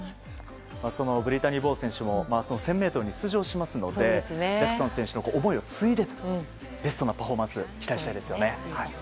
ブリタニー・ボウ選手も１０００ｍに出場しますのでジャクソン選手の思いを継いでベストなパフォーマンスを期待したいですよね。